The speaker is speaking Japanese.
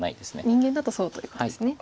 人間だとそうということですね。